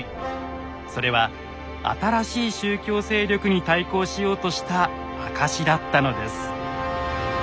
それは新しい宗教勢力に対抗しようとした証しだったのです。